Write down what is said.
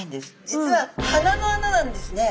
実は鼻の穴なんですね。